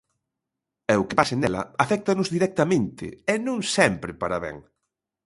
E o que pase nela aféctanos directamente e non sempre para ben.